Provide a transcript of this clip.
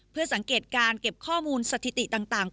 เพื่อสังเกตการเก็บข้อมูลสถิติต่าง